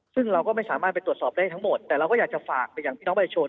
ซึ่งเราก็ไม่สามารถไปตรวจสอบได้ทั้งหมดแต่เราก็อยากจะฝากไปอย่างพี่น้องประชาชน